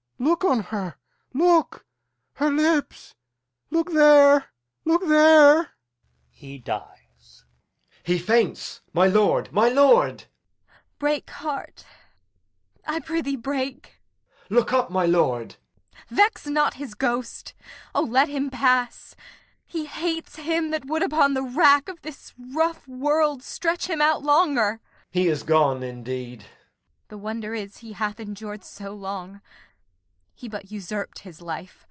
Look on her! look! her lips! Look there, look there! He dies. Edg. He faints! My lord, my lord! Kent. Break, heart; I prithee break! Edg. Look up, my lord. Kent. Vex not his ghost. O, let him pass! He hates him That would upon the rack of this tough world Stretch him out longer. Edg. He is gone indeed. Kent. The wonder is, he hath endur'd so long.